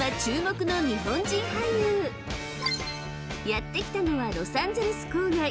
［やって来たのはロサンゼルス郊外］